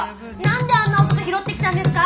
何であんな男拾ってきたんですか！